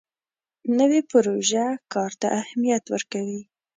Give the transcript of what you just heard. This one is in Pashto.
نوې پروژه کار ته اهمیت ورکوي